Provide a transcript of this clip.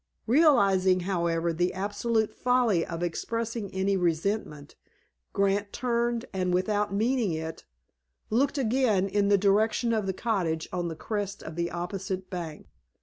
Realizing, however, the absolute folly of expressing any resentment, Grant turned, and, without meaning it, looked again in the direction of the cottage on the crest of the opposite bank.